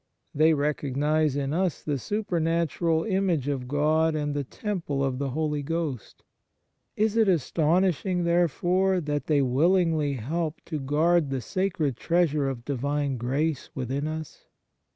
They recognize in us the super natural image of God and the temple of the Holy Ghost. Is it astonishing, therefore, that they willingly help to guard the sacred treasure of Divine grace within us